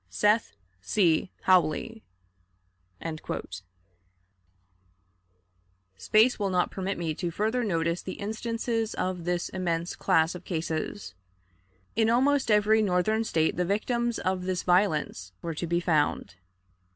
"SETH C. HAWLEY." Space will not permit me further to notice the instances of this immense class of cases. In almost every Northern State the victims of this violence were to be found.